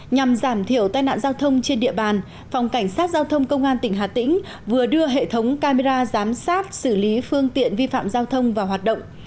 nhằm giảm thiểu tai nạn giao thông trên địa bàn phòng cảnh sát giao thông công an tỉnh hà tĩnh vừa đưa hệ thống camera giám sát xử lý phương tiện vi phạm giao thông vào hoạt động